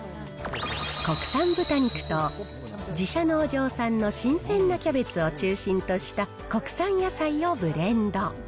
国産豚肉と自社農場産の新鮮なキャベツを中心とした国産野菜をブレンド。